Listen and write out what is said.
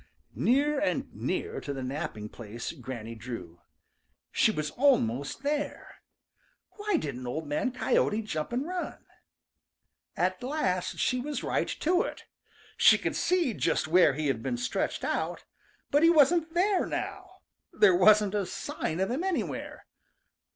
Nearer and nearer to the napping place Granny drew. She was almost there. Why didn't Old Man Coyote jump and run? At last she was right to it. She could see just where he had been stretched out, but he wasn't there now. There wasn't a sign of him anywhere!